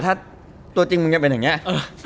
ถ้าตัวจริงอย่างเงี้ยเอ่อ